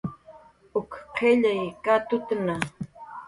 Uk qillay katutna